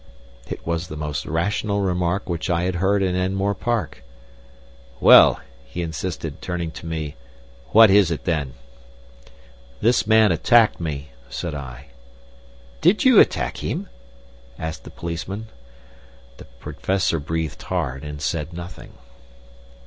It was the most rational remark which I had heard in Enmore Park. "Well," he insisted, turning to me, "what is it, then?" "This man attacked me," said I. "Did you attack him?" asked the policeman. The Professor breathed hard and said nothing.